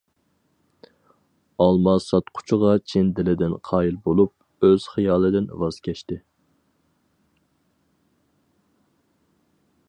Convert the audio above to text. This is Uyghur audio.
ئالما ساتقۇچىغا چىن دىلىدىن قايىل بولۇپ، ئۆز خىيالىدىن ۋاز كەچتى.